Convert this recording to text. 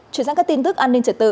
chuyển sang các tin tức an ninh trật tự